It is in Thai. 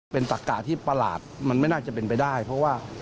เป็นตักกะที่ประหลาดมันไม่น่าจะเป็นไปได้เพราะว่า